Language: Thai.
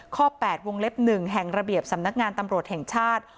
๘วงเล็บ๑แห่งระเบียบสำนักงานตำรวจแห่งชาติ